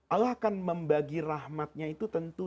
allah akan membagi rahmatnya itu tentu